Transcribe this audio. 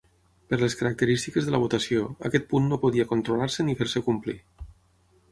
Per les característiques de la votació, aquest punt no podia controlar-se ni fer-se complir.